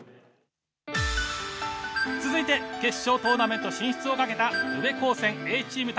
続いて決勝トーナメント進出をかけた宇部高専Ａチーム対